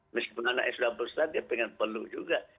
meskipun anaknya sudah besar dia pengen perlu juga